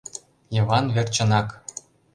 Йыван верчынак.